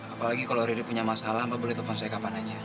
apalagi kalau ridhi punya masalah mbak boleh telepon saya kapan aja